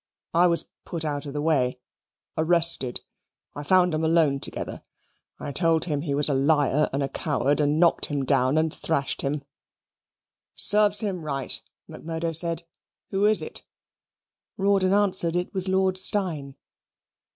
I was put out of the way arrested I found 'em alone together. I told him he was a liar and a coward, and knocked him down and thrashed him." "Serve him right," Macmurdo said. "Who is it?" Rawdon answered it was Lord Steyne.